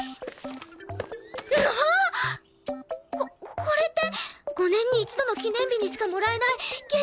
ここれって５年に一度の記念日にしかもらえない激